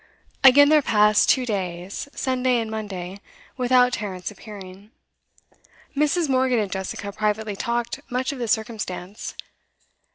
Again there passed two days, Sunday and Monday, without Tarrant's appearing. Mrs. Morgan and Jessica privately talked much of the circumstance.